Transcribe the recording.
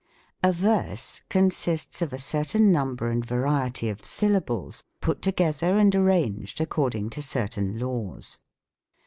A verse consists of a certain number and variety of syllables, put together and arranged according to cer tain laws.